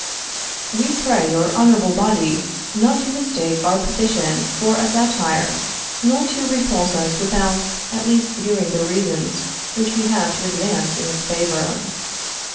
"We pray your honorable body not to mistake our petition for a satire, nor to repulse us without at least hearing the reasons which we have to advance in its favor.